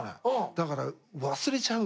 だから忘れちゃう。